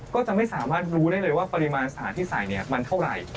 ก็จะไม่สามารถรู้ได้เลยว่าปริมาณสารที่ใส่เนี่ยมันเท่าไหร่